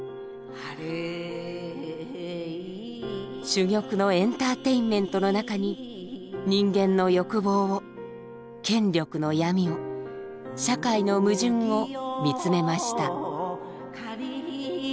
珠玉のエンターテインメントの中に人間の欲望を権力の闇を社会の矛盾を見つめました。